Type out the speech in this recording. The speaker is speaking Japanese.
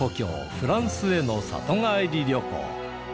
フランスへの里帰り旅行。